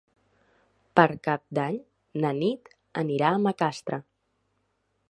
Per Cap d'Any na Nit anirà a Macastre.